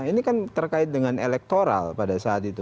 ini kan terkait dengan elektoral pada saat itu